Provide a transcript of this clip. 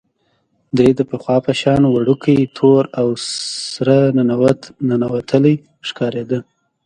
دی د پخوا په شان وړوکی، تور او سره ننوتلی ښکارېده.